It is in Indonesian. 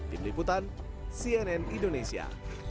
di peliputan cnn indonesia